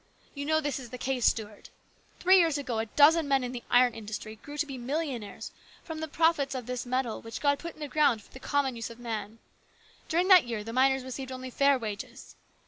You know this is the case, Stuart Three years ago a dozen men in the iron industry grew to be millionaires from the profits of this metal which God put in the ground for the common use of man. During that year the miners received only fair wages.